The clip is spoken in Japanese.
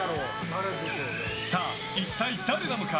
さあ、一体誰なのか？